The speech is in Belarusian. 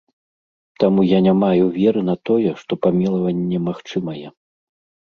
Таму я не маю веры на тое, што памілаванне магчымае.